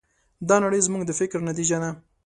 دا نړۍ زموږ د فکر نتیجه ده.